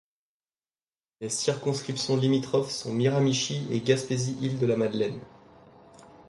Les circonscriptions limitrophes sont Miramichi et Gaspésie—Îles-de-la-Madeleine.